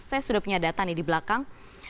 saya sudah punya data nih di belakang